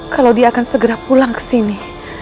kalau dia akan segera pulang kesini